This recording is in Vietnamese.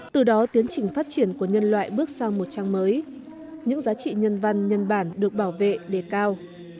từ đó tiến trình phát triển của nhân loại bước sang một trang mới những giá trị nhân văn nhân bản được bảo vệ đề cao